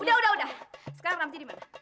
udah udah udah sekarang ramji dimana